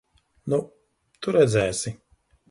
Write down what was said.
Nu, tu redzēsi!